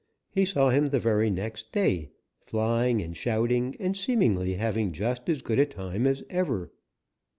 He saw him the very next day, flying and shouting and seemingly having just as good a time as ever.